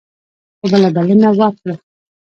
خو بلنه ورکړه.